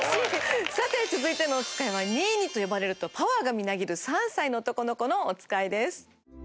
さて続いてのおつかいは「ニイニ」と呼ばれるとパワーがみなぎる３歳の男の子のおつかいです。